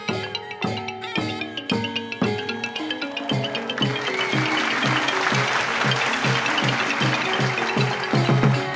อ่าอ่าอ่า